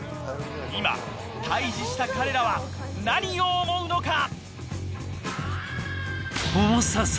今対峙した彼らは何を思うのか？